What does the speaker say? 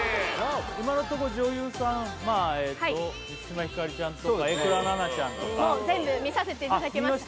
今のところ女優さんまあええと満島ひかりちゃんとか榮倉奈々ちゃんとか全部見させていただきました